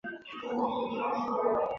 该物种的模式产地在台湾基隆。